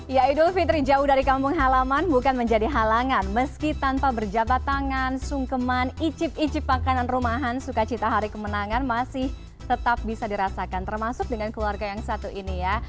ya idul fitri jauh dari kampung halaman bukan menjadi halangan meski tanpa berjabat tangan sungkeman icip icip makanan rumahan sukacita hari kemenangan masih tetap bisa dirasakan termasuk dengan keluarga yang satu ini ya